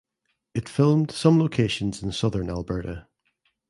It filmed some locations in southern Alberta.